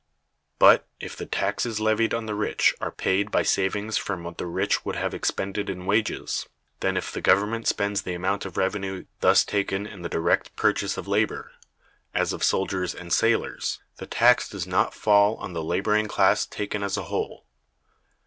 But, if the taxes levied on the rich are paid by savings from what the rich would have expended in wages, then if the Government spends the amount of revenue thus taken in the direct purchase of labor, as of soldiers and sailors, the tax does not fall on the laboring class taken as a whole.